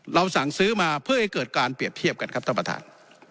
สั่งซื้อมาเพื่อให้เกิดการเปรียบเทียบกันครับท่านประธาน